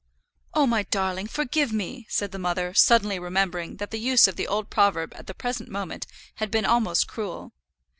"Oh, my darling, forgive me," said the mother, suddenly remembering that the use of the old proverb at the present moment had been almost cruel.